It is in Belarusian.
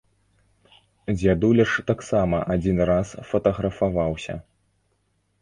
Дзядуля ж таксама адзін раз фатаграфаваўся!